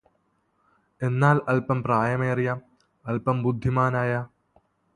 എന്നാല് അല്പം പ്രായമേറിയ അല്പം ബുദ്ധിമാനായ